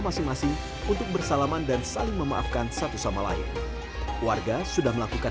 masing masing untuk bersalaman dan saling memaafkan satu sama lain warga sudah melakukan